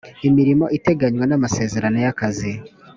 imirimo iteganywa n’ amasezerano y’ akazi.